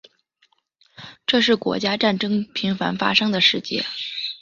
这是国家战争频繁发生的世界。